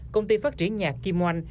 công ty phát triển nhạc kim oanh